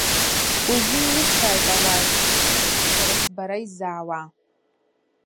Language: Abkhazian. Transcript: Уажәы еилыскааит ауаа зсышьҭоу, сара сбара изаауа.